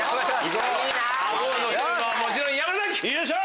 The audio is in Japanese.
よいしょ！